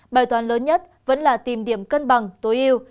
bài toán lớn nhất vẫn là tìm điểm cân bằng tối ưu